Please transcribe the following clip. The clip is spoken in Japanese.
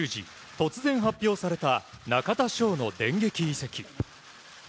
突然発表された中田翔の電撃移籍。